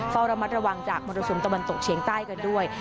เฝ้าระมัดระวังจากมรสุมตะวันตกเฉียงใต้กันด้วย